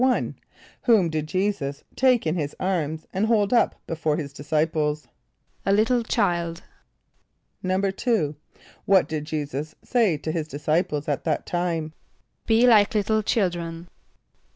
=1.= Whom did J[=e]´[s+]us take in his arms and hold up before his disciples? =A little child.= =2.= What did J[=e]´[s+]us say to his disciples at that time? ="Be like little children."